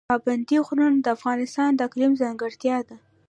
پابندی غرونه د افغانستان د اقلیم ځانګړتیا ده.